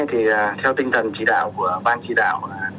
theo tinh thần chỉ đạo của ban chỉ đạo